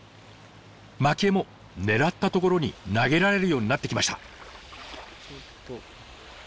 まき餌も狙った所に投げられるようになってきました。